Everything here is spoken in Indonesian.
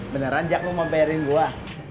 beneran jak lu memperiain gua